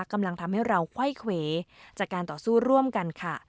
กำลังทำให้เราไขว้เขวจากการต่อสู้ร่วมกันค่ะ